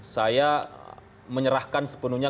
saya menyerahkan sepenuhnya